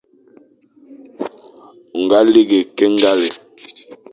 O ñga lighé ke ñgale,